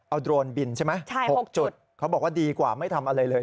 เอาโดรนบินใช่ไหม๖จุดเขาบอกว่าดีกว่าไม่ทำอะไรเลย